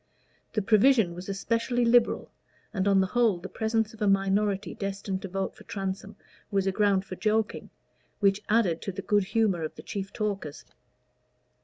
The provision was especially liberal, and on the whole the presence of a minority destined to vote for Transome was a ground for joking, which added to the good humor of the chief talkers.